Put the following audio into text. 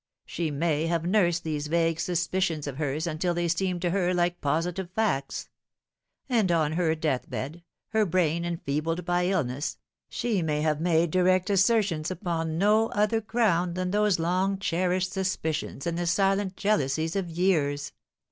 She may have nursed these vague suspicions of hers until they seemed to her like positive facts ; and on her death bed, her brain enfeebled by illness, she may have made direct assertions upon no other ground than those long cherished suspicions and the silent jealousies of years.